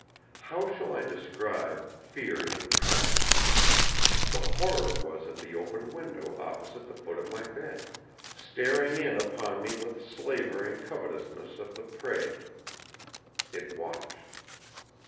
How shall I describe Fear incarnate? The Horror was at the open window opposite the foot of my bed, staring in upon me with slavering covetousness of the prey It watched.